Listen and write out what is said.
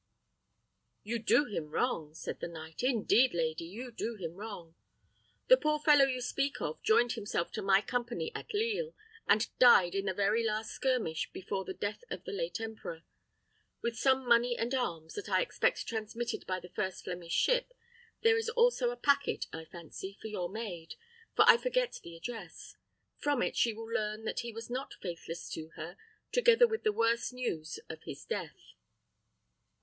"You do him wrong," said the knight; "indeed, lady, you do him wrong. The poor fellow you speak of joined himself to my company at Lisle, and died in the very last skirmish before the death of the late emperor. With some money and arms, that I expect transmitted by the first Flemish ship, there is also a packet, I fancy, for your maid, for I forget the address. From it she will learn that he was not faithless to her, together with the worse news of his death."